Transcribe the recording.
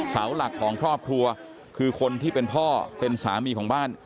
เสาหลักของครอบครัวคือคนที่เป็นพ่อเป็นสามีของบ้าน